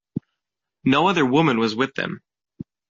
No other woman was with them.